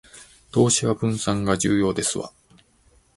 投資は分散が重要ですわ